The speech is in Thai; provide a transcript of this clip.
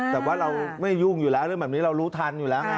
แต่ว่าเราไม่ยุ่งอยู่แล้วเรื่องแบบนี้เรารู้ทันอยู่แล้วไง